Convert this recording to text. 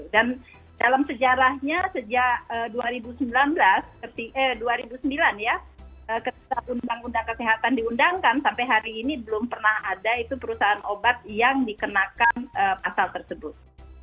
dan dalam sejarahnya sejak dua ribu sembilan ketua undang undang kesehatan diundangkan sampai hari ini belum pernah ada perusahaan obat yang dikenakan pasal tersebut